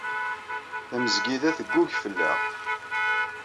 Tamezgida teggug fell-aɣ.